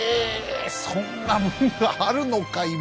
そんなもんがあるのか今。